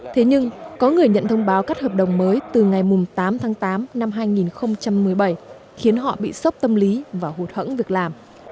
thế nhưng có người nhận thông báo cắt hợp đồng mới từ ngày tám tháng tám năm hai nghìn một mươi bảy khiến họ bị sốc tâm lý và hụt hẫng việc làm